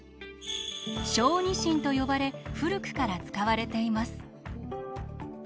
小児鍼と呼ばれ古くから使われています。